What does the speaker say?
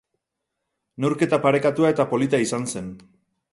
Neurketa parekatua eta polita izan zen.